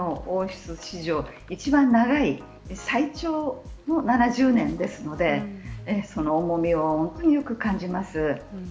これは英国の王室史上一番長い最長の７０年ですのでその重みを本当によく感じます。